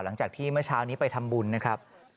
หลังจากที่เมื่อเช้านี้ไปทำบุญนะครับ